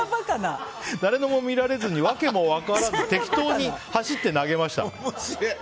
誰のも見られずに訳も分からずに適当に投げました。